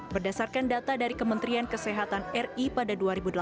berdasarkan data dari kementerian kesehatan ri pada dua ribu delapan belas